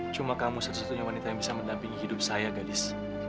cuma kamu satu satunya wanita yang bisa mendampingi hidup saya gadis